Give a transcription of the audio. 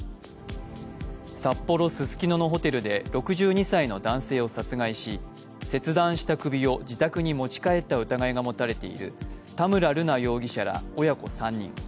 札幌・ススキノのホテルで６２歳の男性を殺害し切断した首を自宅に持ち帰った疑いが持たれている田村瑠奈容疑者ら親子３人。